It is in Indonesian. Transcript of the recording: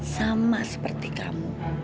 sama seperti kamu